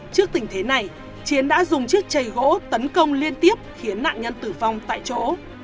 trước tình thế này chiến đã dùng chiếc chầy gỗ tấn công liên tiếp khiến nạn nhân tử vong tại chỗ